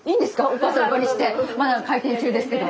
おかあさんお借りしてまだ開店中ですけど。